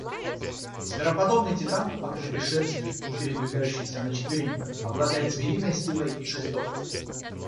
Звероподобный титан, покрытый шерстью и передвигающийся на четвереньках, обладает звериной силой и жестокостью.